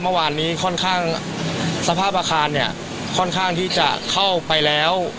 เมื่อวานนี้สภาพอาคารค่อนข้างที่จะเข้าไปแล้ว